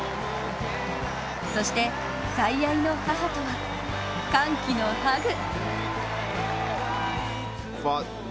そして、最愛の母とは歓喜のハグ。